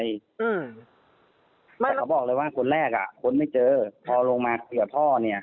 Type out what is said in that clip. แต่เขาบอกเลยว่าคนแรกอ่ะคนไม่เจอพอลงมาคุยกับพ่อเนี่ย